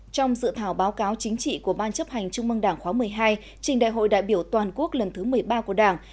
trong dự thảo báo cáo chính trị của ban chấp hành trung mương đảng khóa một mươi hai trình đại hội đại biểu toàn quốc lần thứ một mươi ba của đảng